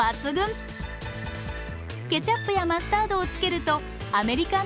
ケチャップやマスタードをつけるとアメリカン